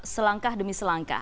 selangkah demi selangkah